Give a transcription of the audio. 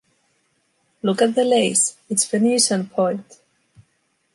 Look at the lace! It's Venetian point.